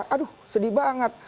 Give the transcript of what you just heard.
aduh sedih banget